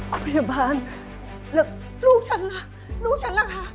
พยาบาลแล้วลูกฉันล่ะลูกฉันล่ะคะ